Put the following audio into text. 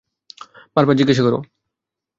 বারবার জিজ্ঞাসা কর।